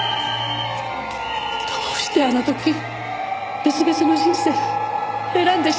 どうしてあの時別々の人生選んでしまったのか。